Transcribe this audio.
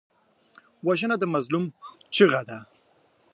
وژنه د مظلوم چیغه ده